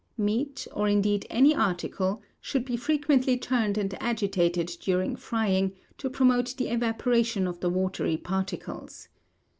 Meat, or indeed any article, should be frequently turned and agitated during frying to promote the evaporation of the watery particles.